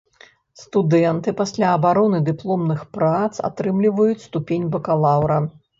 Студэнты пасля абароны дыпломных прац атрымліваюць ступень бакалаўра.